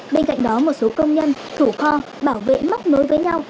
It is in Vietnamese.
bên cạnh đó một số công nhân thủ kho bảo vệ mắc mối với nhau